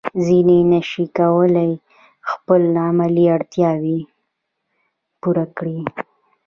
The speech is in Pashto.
ځینې نشي کولای خپل علمي اړتیاوې پوره کړي.